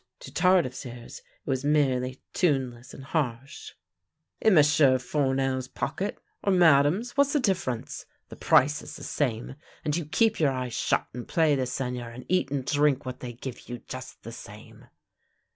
To Tardif's ears it was merely tune less and harsh. "In M'sieu' Fournel's pocket — or Madame's! What's the difference? The price is the same; and you keep your eyes shut and play the Seigneur and eat and drink what they give you just the same!